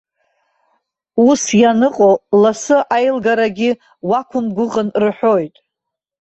Ус ианыҟоу лассы аилгарагьы уақәымгәыӷын рҳәоит.